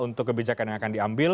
untuk kebijakan yang akan diambil